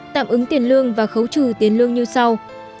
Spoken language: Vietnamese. tạm ứng tiền lương và khấu trừ tiền lương như sau